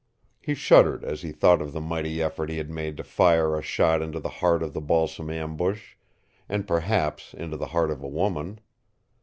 He shuddered as he thought of the mighty effort he had made to fire a shot into the heart of the balsam ambush and perhaps into the heart of a woman!